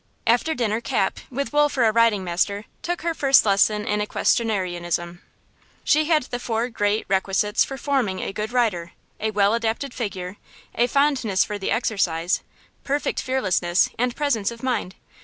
After dinner Cap, with Wool for a riding master, took her first lesson in equestrianism. She had the four great requisites for forming a good rider–a well adapted figure, a fondness for the exercise, perfect fearlessness and presence of mind.